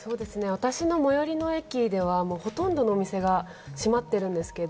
私の最寄の駅では、ほとんどのお店が閉まっているんですけど。